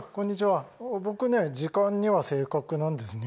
時間には正確なんですね。